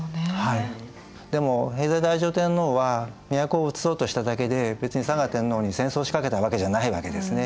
でも平城太上天皇は都をうつそうとしただけで別に嵯峨天皇に戦争しかけたわけじゃないわけですね。